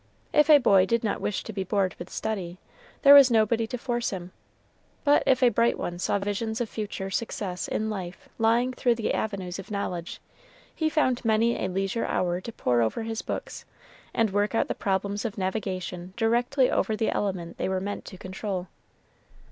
If a boy did not wish to be bored with study, there was nobody to force him; but if a bright one saw visions of future success in life lying through the avenues of knowledge, he found many a leisure hour to pore over his books, and work out the problems of navigation directly over the element they were meant to control.